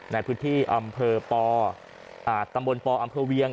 ในพื้นที่อำเภอตำบลปอำเภอเวียง